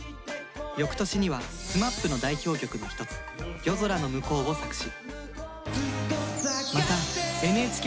よくとしにはＳＭＡＰの代表曲の一つ「夜空ノムコウ」を作詞。